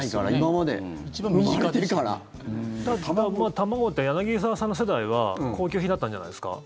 卵って柳澤さんの世代は高級品だったんじゃないですか？